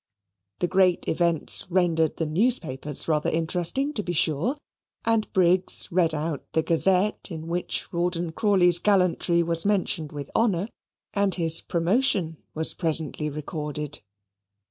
The great events rendered the newspapers rather interesting, to be sure, and Briggs read out the Gazette, in which Rawdon Crawley's gallantry was mentioned with honour, and his promotion was presently recorded.